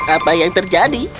apa yang terjadi